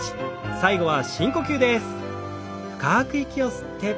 最後は深呼吸です。